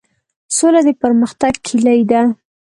سوله د پرمختګ کیلي ده؟